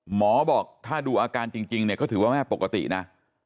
หมอบอกถ้าดูอาการจริงเนี่ยก็ถือว่าแม่ปกตินะ